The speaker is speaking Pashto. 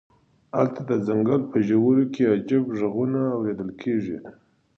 هلته د ځنګل په ژورو کې عجیب غږونه اوریدل کیږي